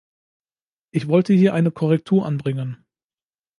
Ich wollte hier eine Korrektur anbringen.